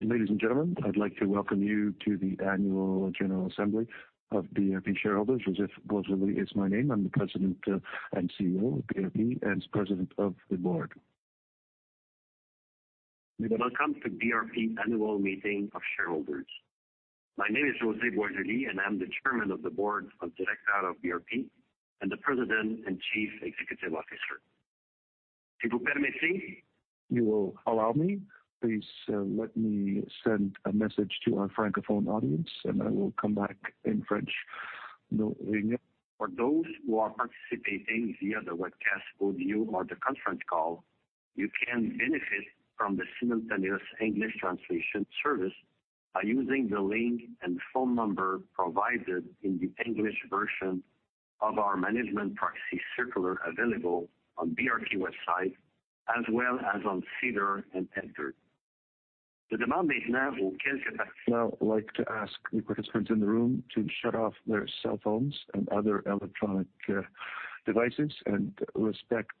Ladies and gentlemen, I'd like to welcome you to the annual general assembly of BRP shareholders. José Boisjoli is my name. I'm the President and Chief Executive Officer of BRP and President of the Board. Welcome to the BRP annual meeting of shareholders. My name is José Boisjoli, and I'm the Chairman of the Board of Directors of BRP and the President and Chief Executive Officer. If you will allow me, please let me send a message to our Francophone audience, and I will come back in French. For those who are participating via the webcast audio or the conference call, you can benefit from the simultaneous English translation service by using the link and phone number provided in the English version of our management proxy circular available on BRP website, as well as on SEDAR and EDGAR. I'd now like to ask the participants in the room to shut off their cell phones and other electronic devices and respect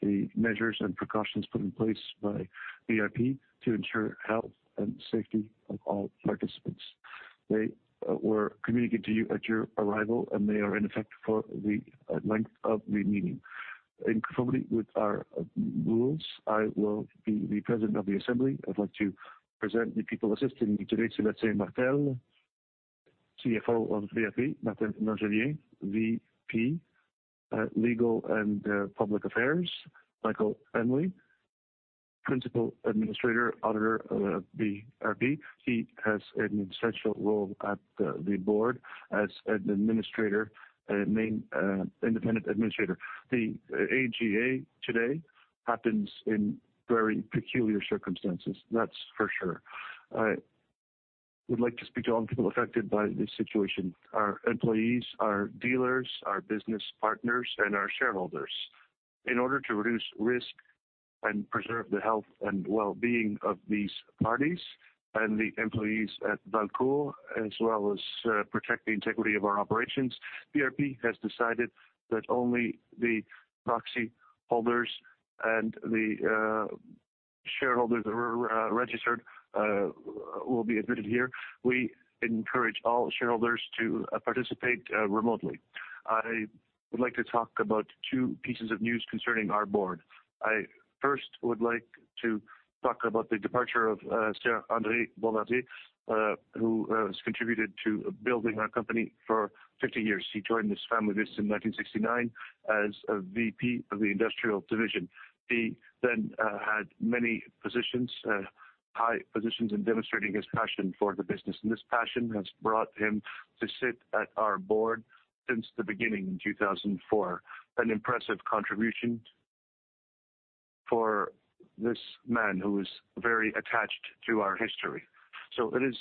the measures and precautions put in place by BRP to ensure health and safety of all participants. They were communicated to you at your arrival, and they are in effect for the length of the meeting. In conformity with our rules, I will be the president of the assembly. I'd like to present the people assisting me today. Sébastien Martel, CFO of BRP, Martin Langelier, VP, Legal and Public Affairs, Michael Hanley, Principal Administrator Auditor of BRP. He has an essential role at the board as an independent administrator. The AGA today happens in very peculiar circumstances, that's for sure. I would like to speak to all people affected by this situation, our employees, our dealers, our business partners, and our shareholders. In order to reduce risk and preserve the health and wellbeing of these parties and the employees at Valcourt, as well as protect the integrity of our operations, BRP has decided that only the proxy holders and the shareholders that were registered will be admitted here. We encourage all shareholders to participate remotely. I would like to talk about two pieces of news concerning our board. I first would like to talk about the departure of André Boisjoli, who has contributed to building our company for 50 years. He joined this family business in 1969 as a VP of the industrial division. He then had many high positions in demonstrating his passion for the business, and this passion has brought him to sit at our board since the beginning in 2004. An impressive contribution for this man who is very attached to our history. It is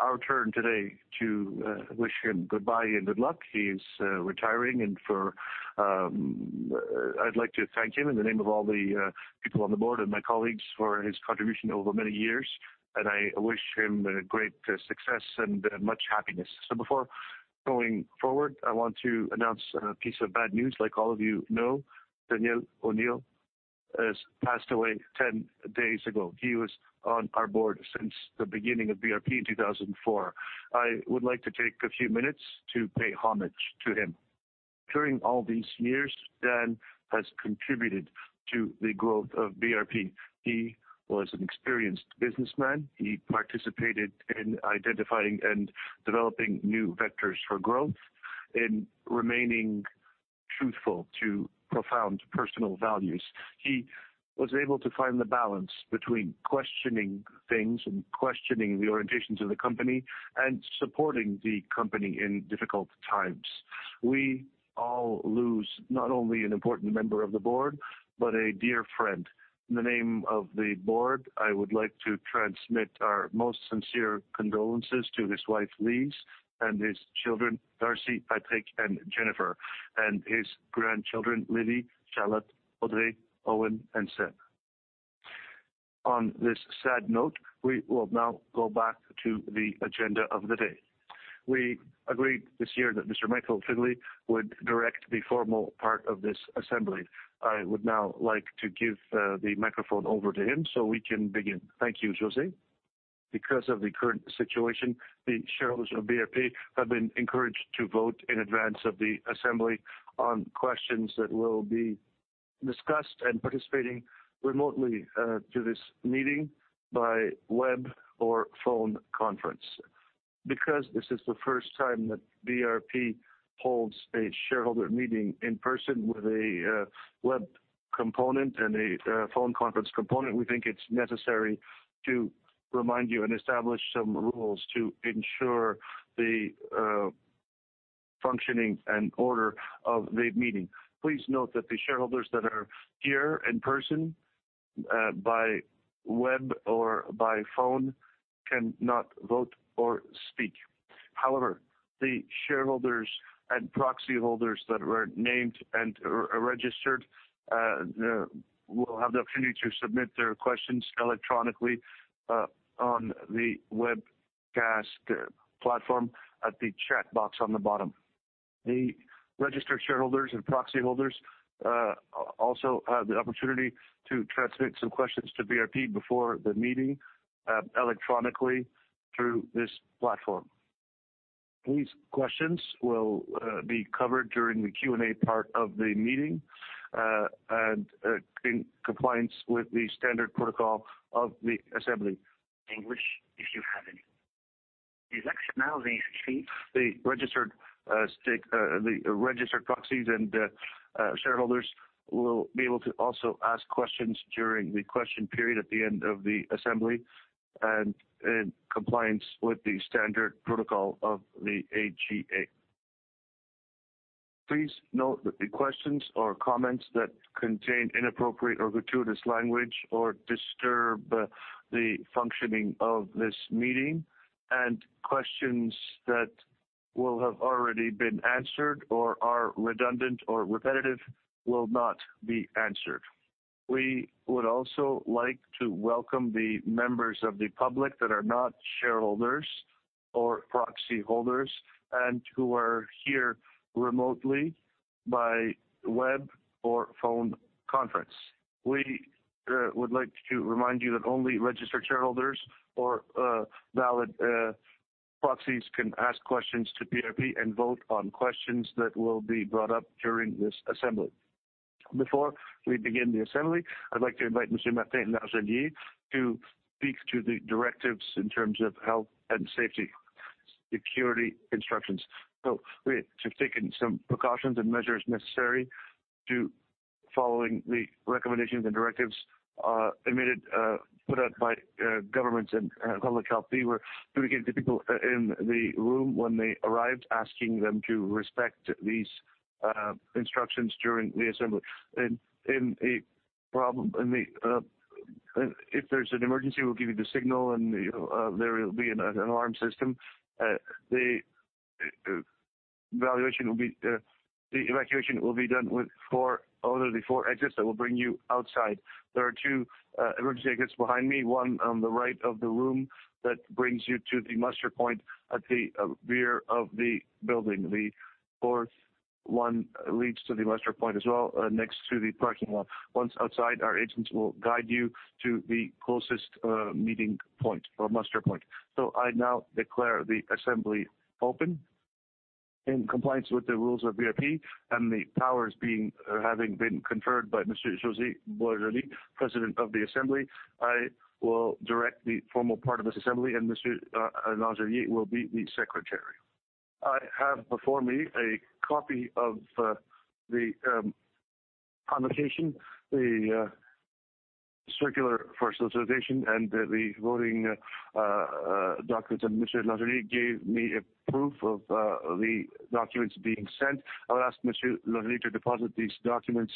our turn today to wish him goodbye and good luck. He is retiring and I'd like to thank him in the name of all the people on the board and my colleagues for his contribution over many years, and I wish him great success and much happiness. Before going forward, I want to announce a piece of bad news. Like all of you know, Daniel O'Neill has passed away 10 days ago. He was on our board since the beginning of BRP in 2004. I would like to take a few minutes to pay homage to him. During all these years, Dan has contributed to the growth of BRP. He was an experienced businessman. He participated in identifying and developing new vectors for growth in remaining truthful to profound personal values. He was able to find the balance between questioning things and questioning the orientations of the company and supporting the company in difficult times. We all lose not only an important member of the board, but a dear friend. In the name of the board, I would like to transmit our most sincere condolences to his wife, Lise, and his children, Darcy, Patrick, and Jennifer, and his grandchildren, Lily, Charlotte, Audrey, Owen, and Seth. On this sad note, we will now go back to the agenda of the day. We agreed this year that Mr. Michael Hanley would direct the formal part of this assembly. I would now like to give the microphone over to him so we can begin. Thank you, José. Because of the current situation, the shareholders of BRP have been encouraged to vote in advance of the assembly on questions that will be discussed and participating remotely to this meeting by web or phone conference. Because this is the first time that BRP holds a shareholder meeting in person with a web component and a phone conference component, we think it's necessary to remind you and establish some rules to ensure the functioning and order of the meeting. Please note that the shareholders that are here in person, by web or by phone cannot vote or speak. The shareholders and proxy holders that were named and are registered will have the opportunity to submit their questions electronically on the webcast platform at the chat box on the bottom. The registered shareholders and proxy holders also have the opportunity to transmit some questions to BRP before the meeting electronically through this platform. These questions will be covered during the Q&A part of the meeting and in compliance with the standard protocol of the assembly. English, if you have any. The registered proxies and shareholders will be able to also ask questions during the question period at the end of the assembly and in compliance with the standard protocol of the AGA. Please note that the questions or comments that contain inappropriate or gratuitous language or disturb the functioning of this meeting, and questions that will have already been answered or are redundant or repetitive will not be answered. We would also like to welcome the members of the public that are not shareholders or proxy holders and who are here remotely by web or phone conference. We would like to remind you that only registered shareholders or valid proxies can ask questions to BRP and vote on questions that will be brought up during this assembly. Before we begin the assembly, I'd like to invite Monsieur Martin Langelier to speak to the directives in terms of health and safety security instructions. We have taken some precautions and measures necessary to following the recommendations and directives put out by governments and public health. We were communicating to people in the room when they arrived, asking them to respect these instructions during the assembly. If there's an emergency, we'll give you the signal, and there will be an alarm system. The evacuation will be done with four exits that will bring you outside. There are two emergency exits behind me, one on the right of the room that brings you to the muster point at the rear of the building. The fourth one leads to the muster point as well next to the parking lot. I now declare the assembly open. In compliance with the rules of BRP and the powers having been conferred by Monsieur José Boisjoli, President of the Assembly, I will direct the formal part of this assembly, and Monsieur Langelier will be the secretary. I have before me a copy of the convocation, the circular for solicitation, and the voting documents that Monsieur Langelier gave me a proof of the documents being sent. I'll ask Monsieur Langelier to deposit these documents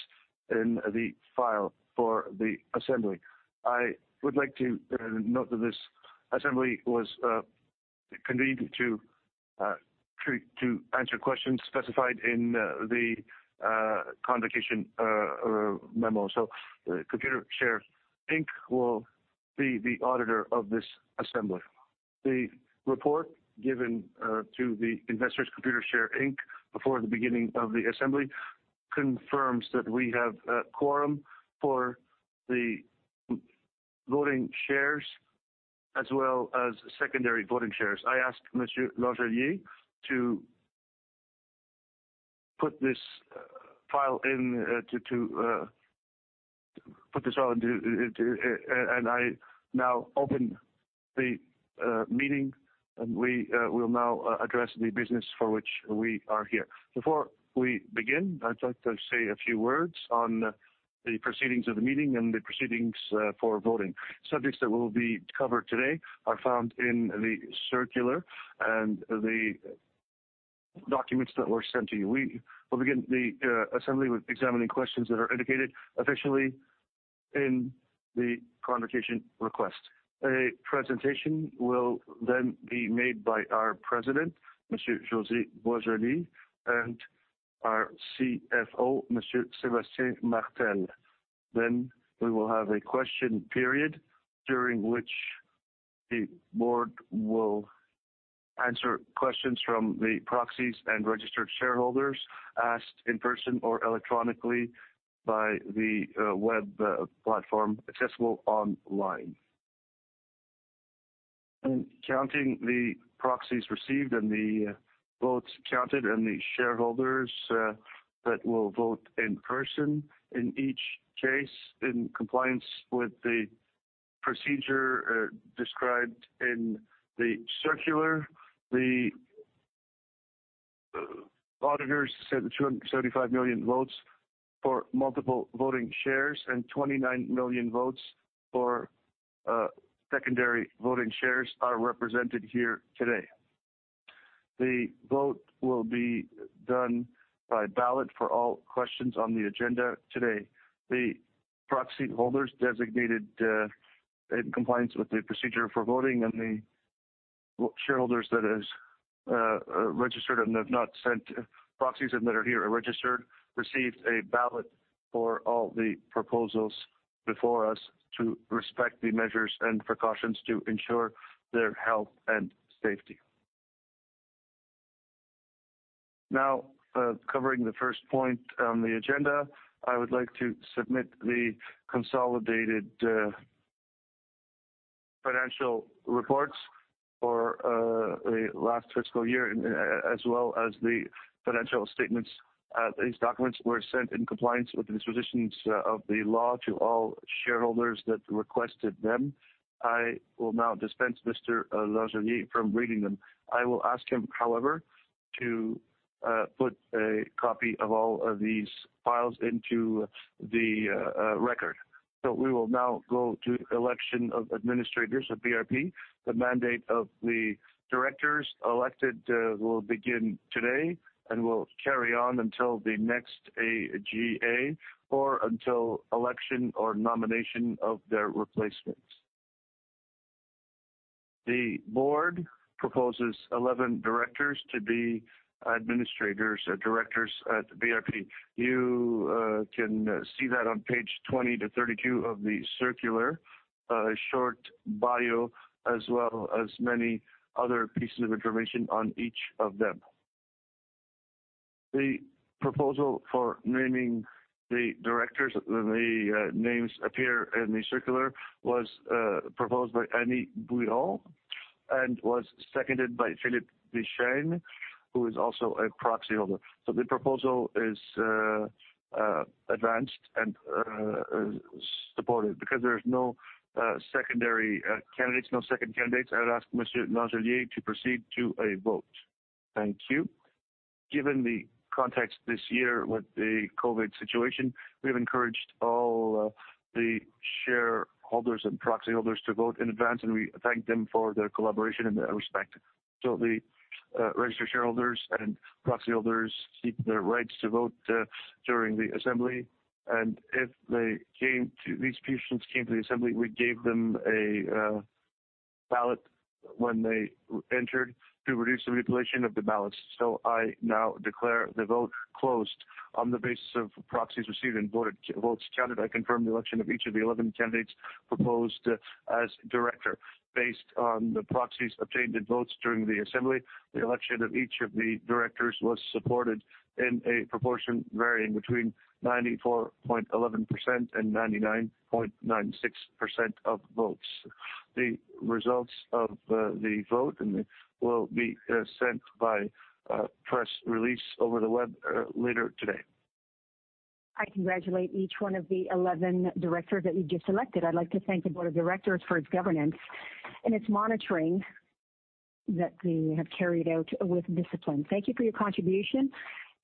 in the file for the assembly. I would like to note that this assembly was convened to answer questions specified in the convocation memo. Computershare Inc. will be the auditor of this assembly. The report given to the investors, Computershare Inc., before the beginning of the assembly confirms that we have a quorum for the voting shares as well as secondary voting shares. I ask Monsieur Langelier to put this file in and I now open the meeting, and we will now address the business for which we are here. Before we begin, I'd like to say a few words on the proceedings of the meeting and the proceedings for voting. Subjects that will be covered today are found in the circular and the documents that were sent to you. We will begin the assembly with examining questions that are indicated officially in the convocation request. A presentation will be made by our President, José Boisjoli, and our CFO, Sébastien Martel. We will have a question period during which the board will answer questions from the proxies and registered shareholders asked in person or electronically by the web platform accessible online. In counting the proxies received and the votes counted and the shareholders that will vote in person in each case in compliance with the procedure described in the circular, the auditors said 275 million votes for multiple voting shares and 29 million votes for secondary voting shares are represented here today. The vote will be done by ballot for all questions on the agenda today. The proxy holders designated in compliance with the procedure for voting and the shareholders that have registered and have not sent proxies and that are here are registered, received a ballot for all the proposals before us to respect the measures and precautions to ensure their health and safety. Covering the first point on the agenda, I would like to submit the consolidated financial reports for the last fiscal year, as well as the financial statements. These documents were sent in compliance with the dispositions of the law to all shareholders that requested them. I will dispense Mr. Langelier from reading them. I will ask him, however, to put a copy of all of these files into the record. We will now go to election of administrators of BRP. The mandate of the directors elected will begin today and will carry on until the next AGA or until election or nomination of their replacements. The board proposes 11 directors to be administrators or directors at BRP. You can see that on page 20 to 32 of the circular, a short bio as well as many other pieces of information on each of them. The proposal for naming the directors, the names appear in the circular, was proposed by Annie Boulay and was seconded by Philippe Deschênes, who is also a proxy holder. The proposal is advanced and supported because there's no second candidates. I would ask Monsieur Langelier to proceed to a vote. Thank you. Given the context this year with the COVID situation, we have encouraged all the shareholders and proxy holders to vote in advance, and we thank them for their collaboration and their respect. The registered shareholders and proxy holders keep their rights to vote during the assembly. If these persons came to the assembly, we gave them a ballot when they entered to reduce the manipulation of the ballots. I now declare the vote closed. On the basis of proxies received and votes counted, I confirm the election of each of the 11 candidates proposed as director. Based on the proxies obtained in votes during the assembly, the election of each of the directors was supported in a proportion varying between 94.11% and 99.96% of votes. The results of the vote will be sent by press release over the web later today. I congratulate each one of the 11 directors that you just elected. I'd like to thank the board of directors for its governance and its monitoring that they have carried out with discipline. Thank you for your contribution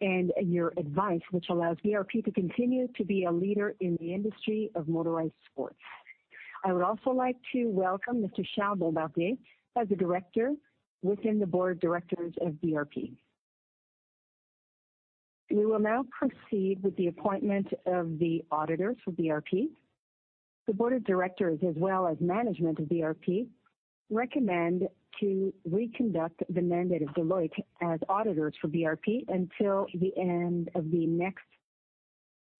and your advice, which allows BRP to continue to be a leader in the industry of motorized sports. I would also like to welcome Mr. Charles Bombardier as a director within the board of directors of BRP. We will now proceed with the appointment of the auditors for BRP. The board of directors as well as management of BRP recommend to reconduct the mandate of Deloitte as auditors for BRP until the end of the next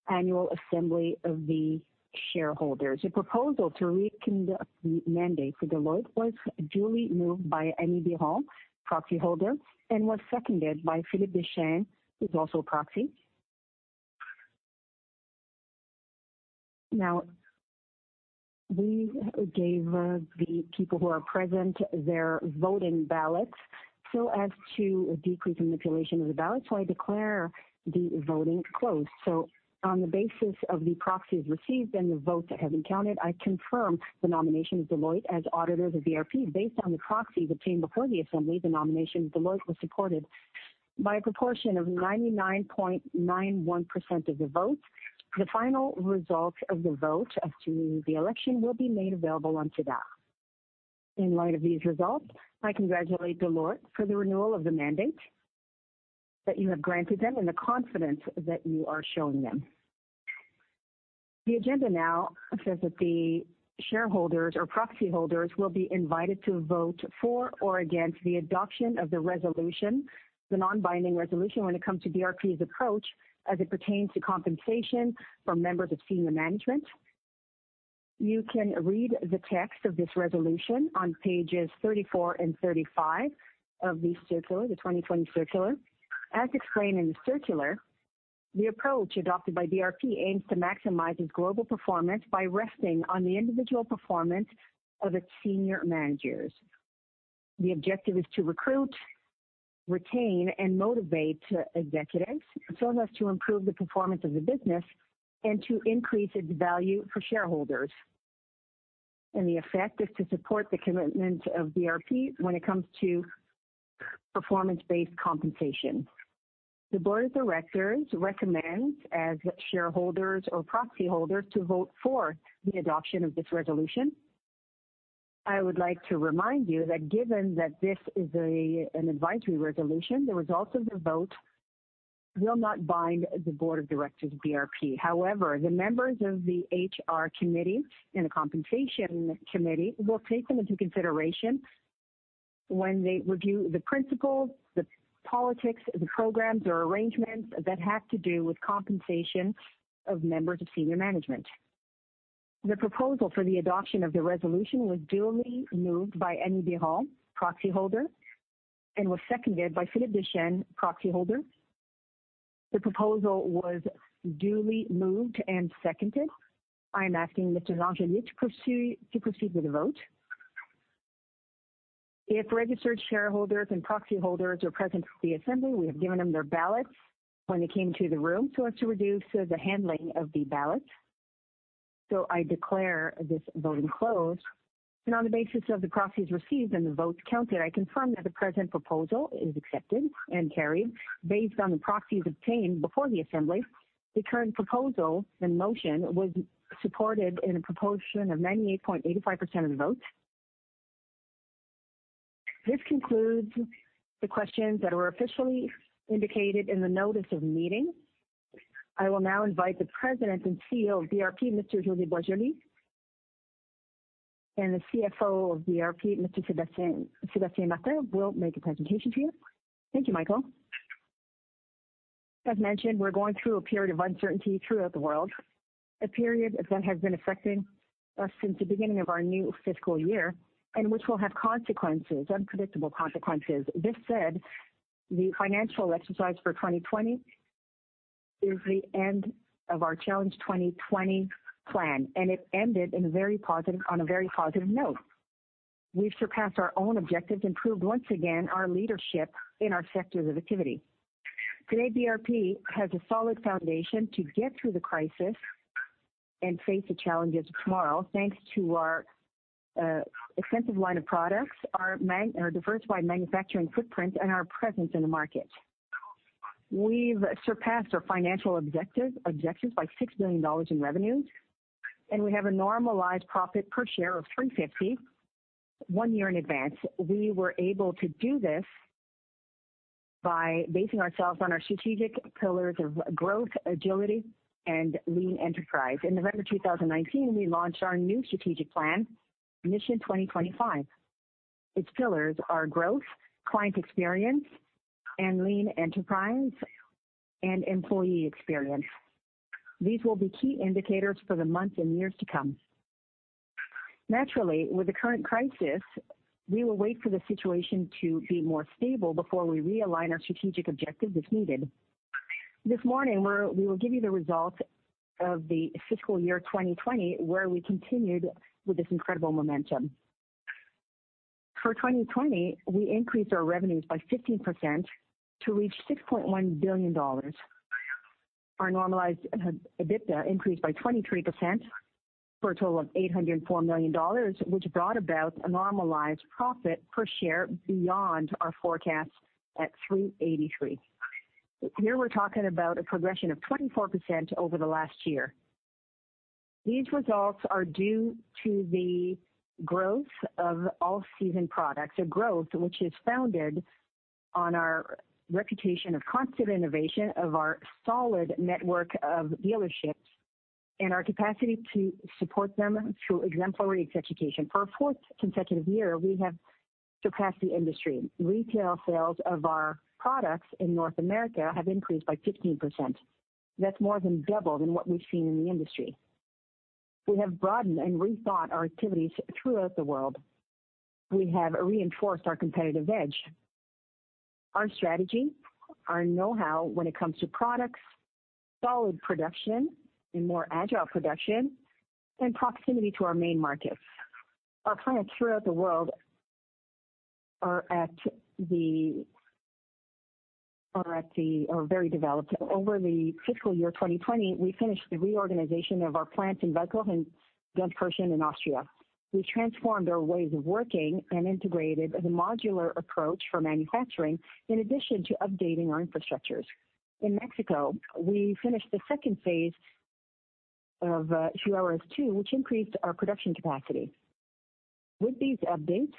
annual assembly of the shareholders. The proposal to reconduct the mandate for Deloitte was duly moved by Annie Boulay, proxy holder, and was seconded by Philippe Deschênes, who's also a proxy. Now, we gave the people who are present their voting ballots so as to decrease manipulation of the ballots. I declare the voting closed. On the basis of the proxies received and the votes that have been counted, I confirm the nomination of Deloitte as auditor of the BRP. Based on the proxies obtained before the assembly, the nomination of Deloitte was supported by a proportion of 99.91% of the votes. The final results of the vote as to the election will be made available on SEDAR. In light of these results, I congratulate Deloitte for the renewal of the mandate that you have granted them and the confidence that you are showing them. The agenda now says that the shareholders or proxy holders will be invited to vote for or against the adoption of the resolution, the non-binding resolution when it comes to BRP's approach as it pertains to compensation for members of senior management. You can read the text of this resolution on pages 34 and 35 of the circular, the 2020 circular. As explained in the circular, the approach adopted by BRP aims to maximize its global performance by resting on the individual performance of its senior managers. The objective is to recruit, retain, and motivate executives so as to improve the performance of the business and to increase its value for shareholders. The effect is to support the commitment of BRP when it comes to performance-based compensation. The board of directors recommends as shareholders or proxy holders to vote for the adoption of this resolution. I would like to remind you that given that this is an advisory resolution, the results of the vote will not bind the board of directors of BRP. However, the members of the HR committee and the compensation committee will take them into consideration when they review the principles, the policies, the programs or arrangements that have to do with compensation of members of senior management. The proposal for the adoption of the resolution was duly moved by Annie Boulay, proxyholder, and was seconded by Philippe Deschênes, proxyholder. The proposal was duly moved and seconded. I'm asking Mr. Langelier to proceed with the vote. If registered shareholders and proxyholders are present at the assembly, we have given them their ballots when they came to the room, so as to reduce the handling of the ballots. I declare this voting closed, and on the basis of the proxies received and the votes counted, I confirm that the present proposal is accepted and carried. Based on the proxies obtained before the assembly, the current proposal in motion was supported in a proportion of 98.85% of the votes. This concludes the questions that were officially indicated in the notice of meeting. I will now invite the President and CEO of BRP, Mr. José Boisjoli, and the CFO of BRP, Mr. Sébastien Martel, will make a presentation to you. Thank you, Michael. As mentioned, we're going through a period of uncertainty throughout the world, a period that has been affecting us since the beginning of our new fiscal year, and which will have unpredictable consequences. This said, the financial exercise for 2020 is the end of our Challenge 2020 plan, and it ended on a very positive note. We've surpassed our own objectives and proved once again our leadership in our sectors of activity. Today, BRP has a solid foundation to get through the crisis and face the challenges of tomorrow, thanks to our extensive line of products, our diversified manufacturing footprint, and our presence in the market. We've surpassed our financial objectives by 6 billion dollars in revenues, and we have a normalized profit per share of 3.50, one year in advance. We were able to do this by basing ourselves on our strategic pillars of growth, agility, and lean enterprise. In November 2019, we launched our new strategic plan, Mission 2025. Its pillars are growth, client experience, and lean enterprise, and employee experience. These will be key indicators for the months and years to come. Naturally, with the current crisis, we will wait for the situation to be more stable before we realign our strategic objectives if needed. This morning, we will give you the results of the fiscal year 2020, where we continued with this incredible momentum. For 2020, we increased our revenues by 15% to reach 6.1 billion dollars. Our normalized EBITDA increased by 23% for a total of 804 million dollars, which brought about a normalized profit per share beyond our forecast at 383. Here we're talking about a progression of 24% over the last year. These results are due to the growth of all-season products, a growth which is founded on our reputation of constant innovation, of our solid network of dealerships, and our capacity to support them through exemplary education. For a fourth consecutive year, we have surpassed the industry. Retail sales of our products in North America have increased by 15%. That's more than double than what we've seen in the industry. We have broadened and rethought our activities throughout the world. We have reinforced our competitive edge. Our strategy, our know-how when it comes to products, solid production and more agile production, and proximity to our main markets. Our clients throughout the world are very developed. Over the fiscal year 2020, we finished the reorganization of our plants in Valcourt and Gunskirchen in Austria. We transformed our ways of working and integrated a modular approach for manufacturing, in addition to updating our infrastructures. In Mexico, we finished the phase II of Chihuahua II, which increased our production capacity. With these updates,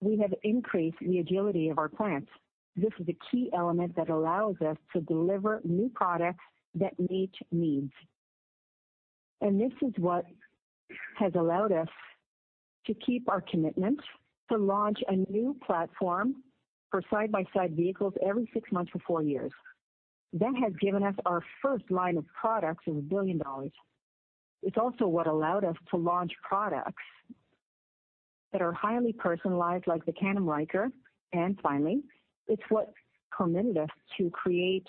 we have increased the agility of our plants. This is a key element that allows us to deliver new products that meet needs. This is what has allowed us to keep our commitment to launch a new platform for side-by-side vehicles every six months for four years. That has given us our first line of products of 1 billion dollars. It's also what allowed us to launch products that are highly personalized, like the Can-Am Ryker, and finally, it's what permitted us to create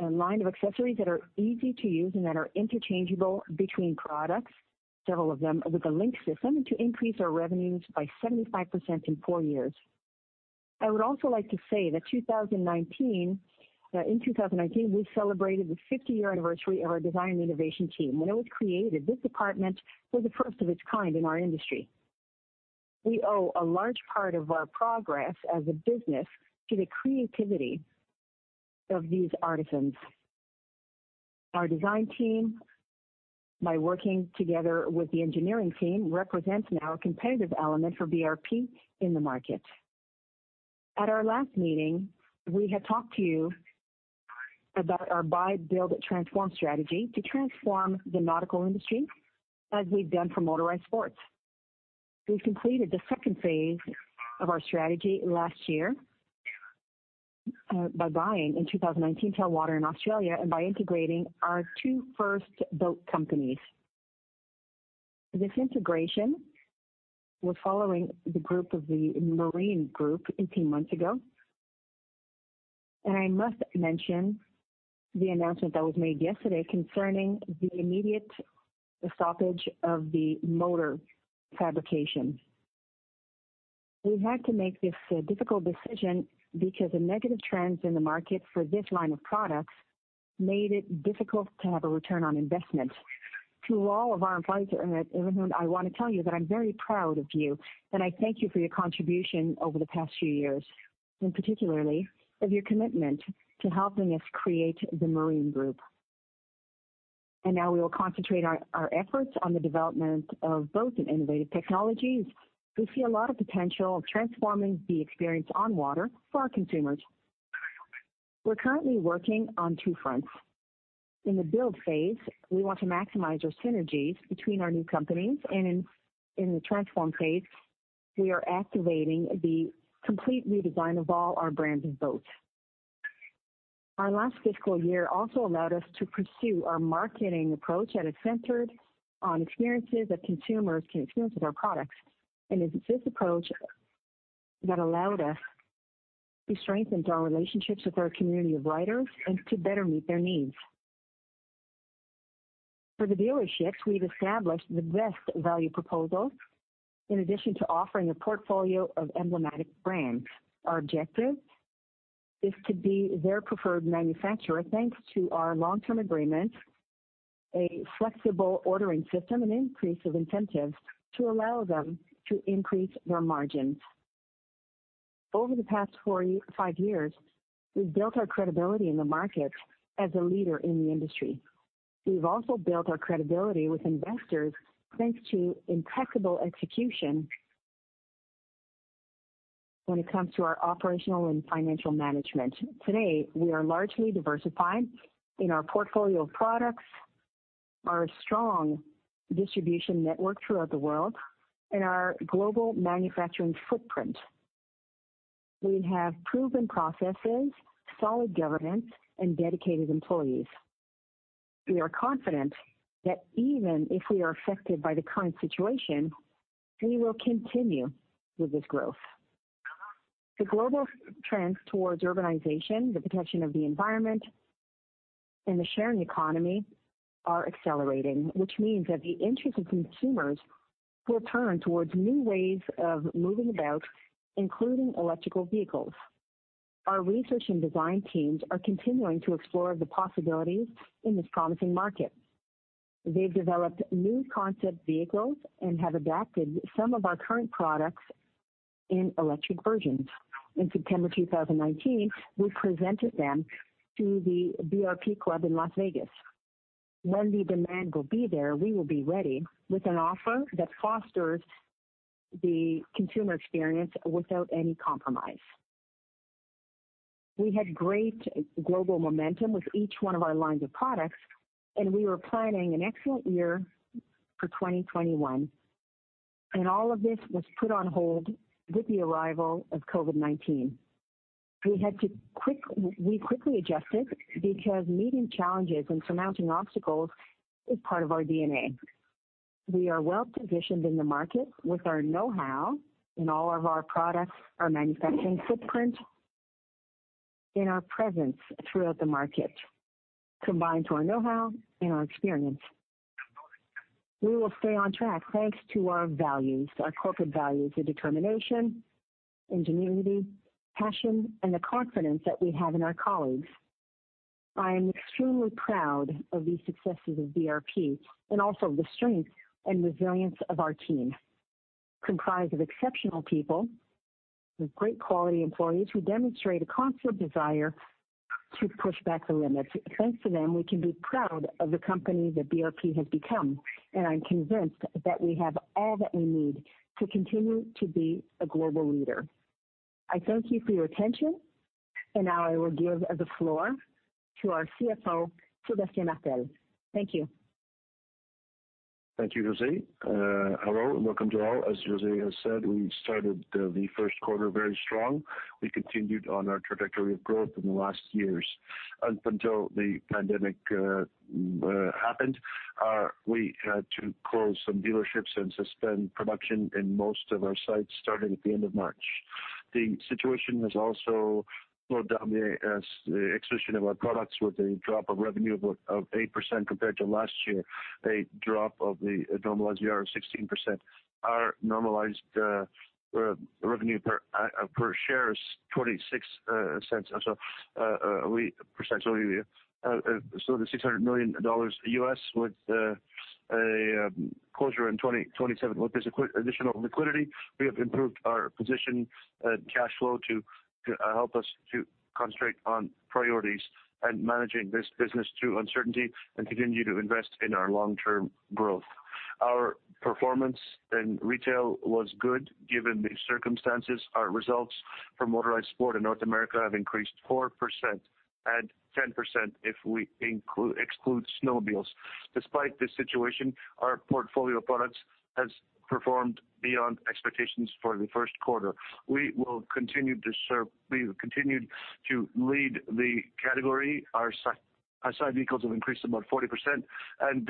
a line of accessories that are easy to use and that are interchangeable between products, several of them with a LinQ system, to increase our revenues by 75% in four years. I would also like to say that in 2019, we celebrated the 50-year anniversary of our design innovation team. When it was created, this department was the first of its kind in our industry. We owe a large part of our progress as a business to the creativity of these artisans. Our design team, by working together with the engineering team, represents now a competitive element for BRP in the market. At our last meeting, we had talked to you about our buy, build, transform strategy to transform the nautical industry as we've done for motorized sports. We've completed the second phase of our strategy last year by buying, in 2019, Telwater in Australia and by integrating our two first boat companies. This integration was following the group of the Marine Group 18 months ago, and I must mention the announcement that was made yesterday concerning the immediate stoppage of the motor fabrication. We had to make this difficult decision because the negative trends in the market for this line of products made it difficult to have a return on investment. To all of our employees at Evinrude, I want to tell you that I'm very proud of you, and I thank you for your contribution over the past few years, and particularly of your commitment to helping us create the Marine Group. Now we will concentrate our efforts on the development of both innovative technologies. We see a lot of potential of transforming the experience on water for our consumers. We're currently working on two fronts. In the build phase, we want to maximize our synergies between our new companies, and in the transform phase, we are activating the complete redesign of all our brands of boats. Our last fiscal year also allowed us to pursue our marketing approach that is centered on experiences that consumers can experience with our products. It's this approach that allowed us to strengthen our relationships with our community of riders and to better meet their needs. For the dealerships, we've established the best value proposal in addition to offering a portfolio of emblematic brands. Our objective is to be their preferred manufacturer, thanks to our long-term agreement, a flexible ordering system, and increase of incentives to allow them to increase their margins. Over the past five years, we've built our credibility in the market as a leader in the industry. We've also built our credibility with investors thanks to impeccable execution when it comes to our operational and financial management. Today, we are largely diversified in our portfolio of products, our strong distribution network throughout the world, and our global manufacturing footprint. We have proven processes, solid governance, and dedicated employees. We are confident that even if we are affected by the current situation, we will continue with this growth. The global trends towards urbanization, the protection of the environment, and the sharing economy are accelerating, which means that the interest of consumers will turn towards new ways of moving about, including electrical vehicles. Our research and design teams are continuing to explore the possibilities in this promising market. They've developed new concept vehicles and have adapted some of our current products in electric versions. In September 2019, we presented them to the Club BRP in Las Vegas. When the demand will be there, we will be ready with an offer that fosters the consumer experience without any compromise. We had great global momentum with each one of our lines of products, and we were planning an excellent year for 2021, and all of this was put on hold with the arrival of COVID-19. We quickly adjusted because meeting challenges and surmounting obstacles is part of our DNA. We are well-positioned in the market with our know-how in all of our products, our manufacturing footprint, and our presence throughout the market, combined to our know-how and our experience. We will stay on track thanks to our values, our corporate values of determination, ingenuity, passion, and the confidence that we have in our colleagues. I am extremely proud of the successes of BRP and also the strength and resilience of our team, comprised of exceptional people with great quality employees who demonstrate a constant desire to push back the limits. Thanks to them, we can be proud of the company that BRP has become, and I'm convinced that we have all that we need to continue to be a global leader. I thank you for your attention, and now I will give the floor to our CFO, Sébastien Martel. Thank you. Thank you, José. Hello, and welcome to all. As José has said, we started the first quarter very strong. We continued on our trajectory of growth in the last years up until the pandemic happened. We had to close some dealerships and suspend production in most of our sites starting at the end of March. The situation has also slowed down the execution of our products with a drop of revenue of 8% compared to last year, a drop of the Normalized EBITDA of 16%. Our normalized revenue per share is 0.26 or so. The $600 million US with a closure in 2027 with this additional liquidity. We have improved our position cash flow to help us to concentrate on priorities and managing this business through uncertainty and continue to invest in our long-term growth. Our performance in retail was good given the circumstances. Our results for motorized sport in North America have increased 4%, and 10% if we exclude snowmobiles. Despite this situation, our portfolio of products has performed beyond expectations for the first quarter. We will continue to lead the category. Our side-by-sides have increased about 40%, and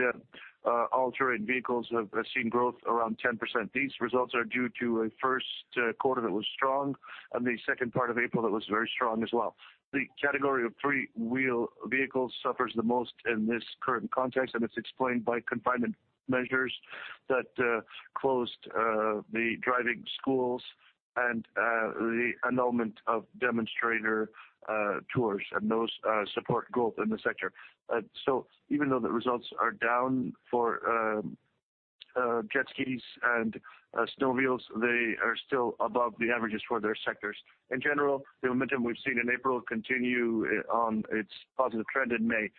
all-terrain vehicles have seen growth around 10%. These results are due to a first quarter that was strong, and the second part of April that was very strong as well. The category of three-wheeled vehicles suffers the most in this current context, and it's explained by confinement measures that closed the driving schools and the annulment of demonstrator tours, and those support growth in the sector. Even though the results are down for jet skis and snowmobiles, they are still above the averages for their sectors. In general, the momentum we've seen in April continued on its positive trend in May.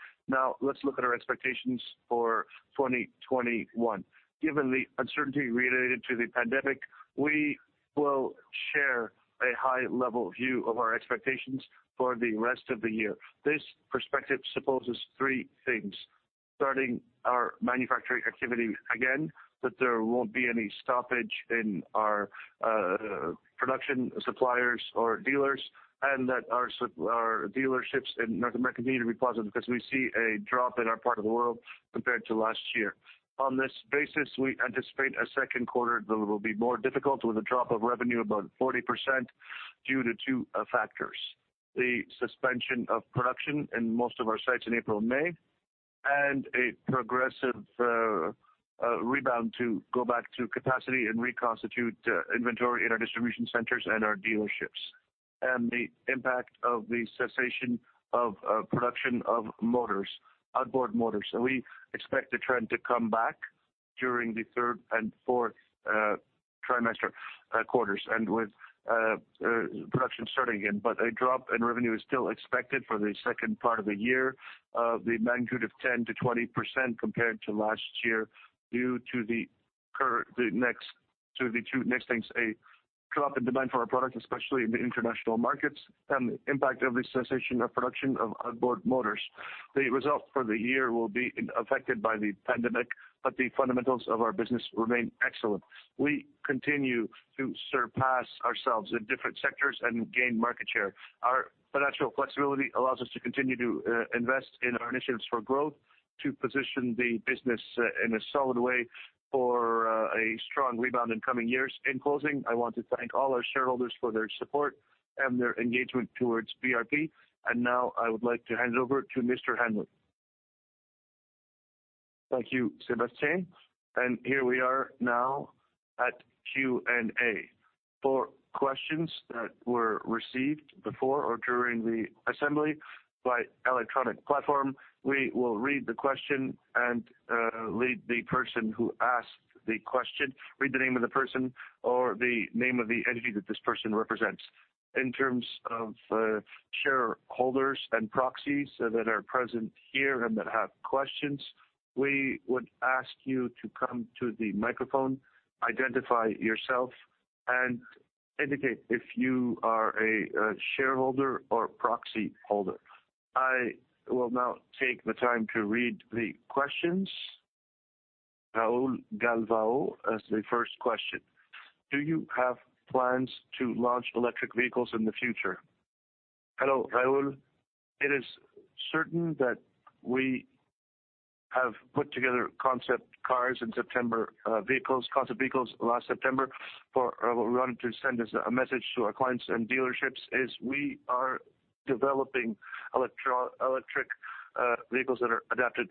Let's look at our expectations for 2021. Given the uncertainty related to the pandemic, we will share a high-level view of our expectations for the rest of the year. This perspective supposes three things. Starting our manufacturing activity again, that there won't be any stoppage in our production suppliers or dealers, and that our dealerships in North America need to be positive because we see a drop in our part of the world compared to last year. On this basis, we anticipate a second quarter that will be more difficult with a drop of revenue about 40% due to two factors. The suspension of production in most of our sites in April and May, and a progressive rebound to go back to capacity and reconstitute inventory in our distribution centers and our dealerships. The impact of the cessation of production of outboard motors. We expect the trend to come back during the third and fourth quarters, and with production starting again. A drop in revenue is still expected for the second part of the year of the magnitude of 10%-20% compared to last year, due to the two next things. A drop in demand for our product, especially in the international markets, and the impact of the cessation of production of outboard motors. The result for the year will be affected by the pandemic, but the fundamentals of our business remain excellent. We continue to surpass ourselves in different sectors and gain market share. Our financial flexibility allows us to continue to invest in our initiatives for growth to position the business in a solid way for a strong rebound in coming years. In closing, I want to thank all our shareholders for their support and their engagement towards BRP. Now I would like to hand over to Mr. Hanley. Thank you, Sébastien. Here we are now at Q&A. For questions that were received before or during the assembly by electronic platform, we will read the question and read the name of the person or the name of the entity that this person represents. In terms of shareholders and proxies that are present here and that have questions, we would ask you to come to the microphone, identify yourself, and indicate if you are a shareholder or proxy holder. I will now take the time to read the questions. Raul Galvao asks the first question, "Do you have plans to launch electric vehicles in the future?" Hello, Raul. It is certain that we have put together concept cars in September, concept vehicles last September. We wanted to send a message to our clients and dealerships is we are developing electric motors that are adapted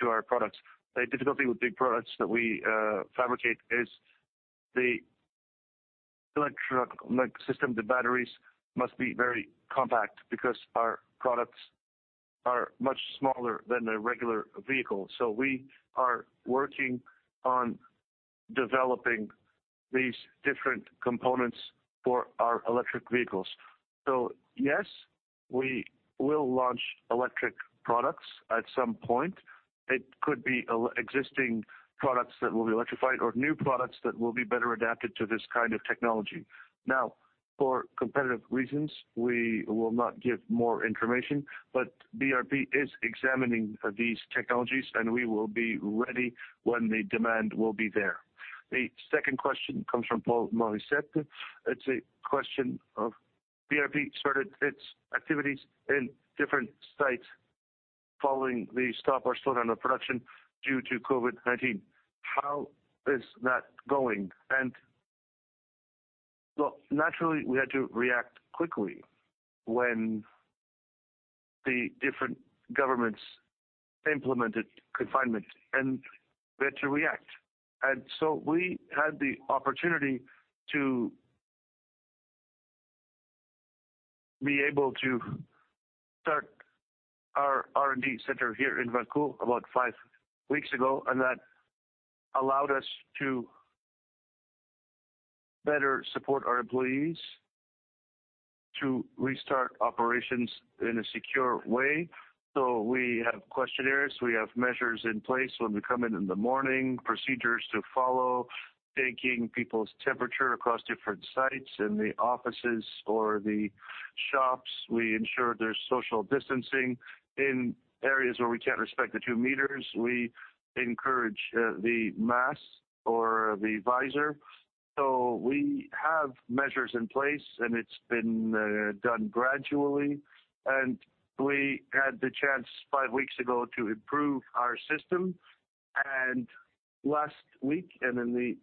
to our products. The difficulty with the products that we fabricate is the electric system, the batteries, must be very compact because our products are much smaller than a regular vehicle. We are working on developing these different components for our electric vehicles. Yes, we will launch electric products at some point. It could be existing products that will be electrified or new products that will be better adapted to this kind of technology. For competitive reasons, we will not give more information, but BRP is examining these technologies, and we will be ready when the demand will be there. The second question comes from Paul Morissette. It's a question of BRP started its activities in different sites following the stop or slowdown of production due to COVID-19. How is that going? Look, naturally, we had to react quickly when the different governments implemented confinement, and we had to react. We had the opportunity to be able to start our R&D center here in Valcourt about five weeks ago, and that allowed us to better support our employees to restart operations in a secure way. We have questionnaires, we have measures in place when we come in in the morning, procedures to follow, taking people's temperature across different sites in the offices or the shops. We ensure there's social distancing. In areas where we can't respect the two meters, we encourage the mask or the visor. We have measures in place, and it's been done gradually. We had the chance five weeks ago to improve our system, and last week and in the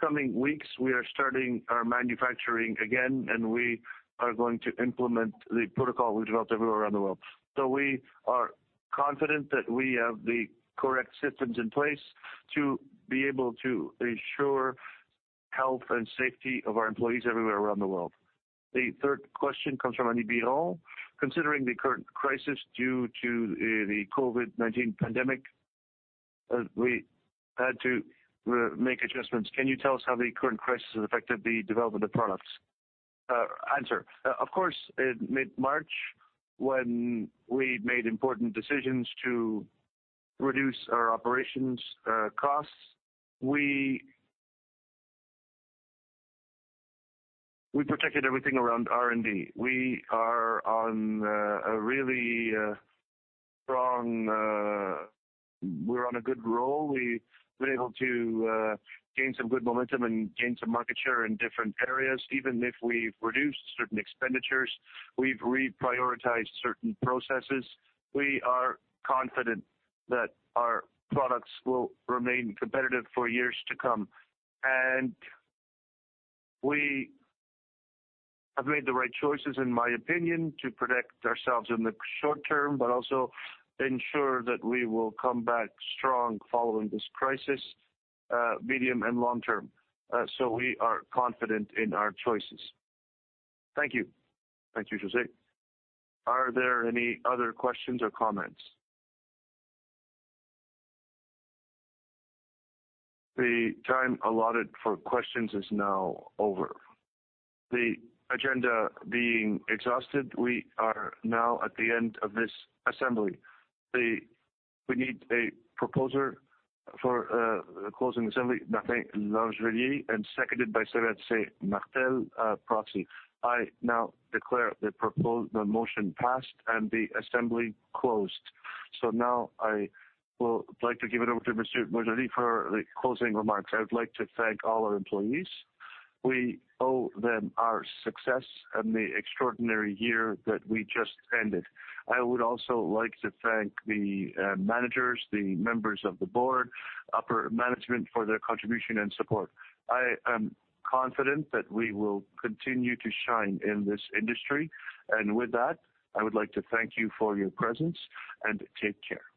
coming weeks, we are starting our manufacturing again, and we are going to implement the protocol we developed everywhere around the world. We are confident that we have the correct systems in place to be able to ensure health and safety of our employees everywhere around the world. The third question comes from Annie Bilodeau. Considering the current crisis due to the COVID-19 pandemic, we had to make adjustments. Can you tell us how the current crisis has affected the development of products? Of course, in mid-March, when we made important decisions to reduce our operations costs, we protected everything around R&D. We're on a good roll. We've been able to gain some good momentum and gain some market share in different areas, even if we've reduced certain expenditures. We've reprioritized certain processes. We are confident that our products will remain competitive for years to come. We have made the right choices, in my opinion, to protect ourselves in the short term, but also ensure that we will come back strong following this crisis, medium and long term. We are confident in our choices. Thank you. Thank you, José. Are there any other questions or comments? The time allotted for questions is now over. The agenda being exhausted, we are now at the end of this assembly. We need a proposer for closing assembly, Martin Larrivée, and seconded by Sylvette St-Martel, proxy. I now declare the motion passed and the assembly closed. Now I will like to give it over to Monsieur Boisjoli for the closing remarks. I would like to thank all our employees. We owe them our success and the extraordinary year that we just ended. I would also like to thank the managers, the members of the Board, upper management for their contribution and support. I am confident that we will continue to shine in this industry. With that, I would like to thank you for your presence, and take care.